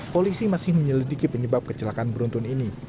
polisi masih menyelidiki penyebab kecelakaan beruntun ini